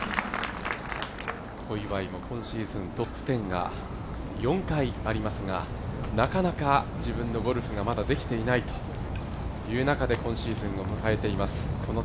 小祝も今シーズントップ１０が４回ありますがなかなか、自分のゴルフがまだできていないという中で今シーズンを迎えています